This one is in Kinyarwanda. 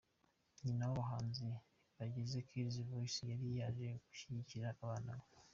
Nyina w'abahanzi bagize Kidz Voice yari yaje gushyigikira abana be.